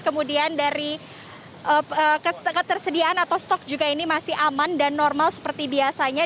kemudian dari ketersediaan atau stok juga ini masih aman dan normal seperti biasanya